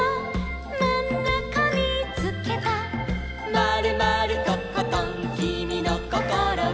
「まるまるとことんきみのこころは」